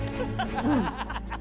うん。